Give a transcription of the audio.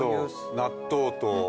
納豆と。